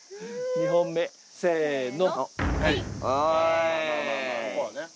４本目せの。